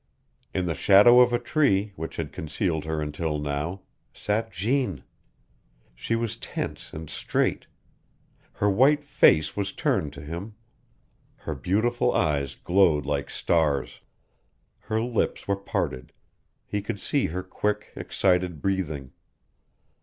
In the shadow of a tree, which had concealed her until now, sat Jeanne. She was tense and straight. Her white face was turned to him. Her beautiful eyes glowed like stars. Her lips were parted; he could see her quick, excited breathing.